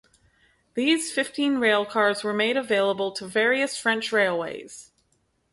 These fifteen railcars were made available to various French railways.